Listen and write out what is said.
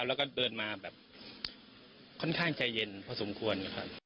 แล้วก็เดินมาแบบค่อนข้างใจเย็นพอสมควรนะครับ